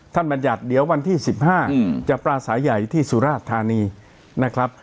บรรยัติเดี๋ยววันที่๑๕จะปราศัยใหญ่ที่สุราชธานีนะครับ